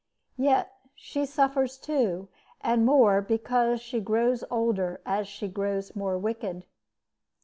Yet she suffers, too, and more, because she grows older as she grows more wicked."